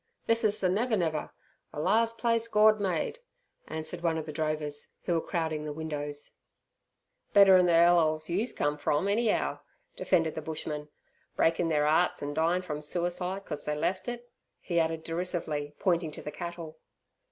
"This is ther Never Never ther lars' place Gord made," answered one of the drovers who were crowding the windows. "Better'n ther 'ell 'ole yous come from, any'ow," defended the bushman. "Breakin' ther 'earts, an' dyin' from suerside, cos they lef' it," he added derisively, pointing to the cattle.